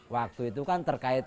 waktu itu kan terkait